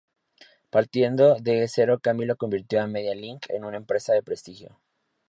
Partiendo de cero Camilo convirtió a Media Link en una empresa de prestigio.